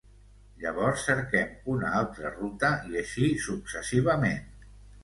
Llavors, cerquem una altra ruta, i així successivament.